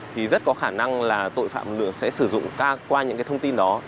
thì rất có khả năng là tội phạm lừa sẽ sử dụng qua những cái thông tin đó